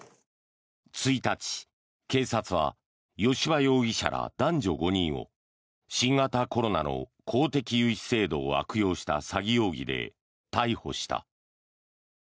１日、警察は吉羽容疑者ら男女５人を新型コロナの公的融資制度を悪用した詐欺容疑で逮捕した。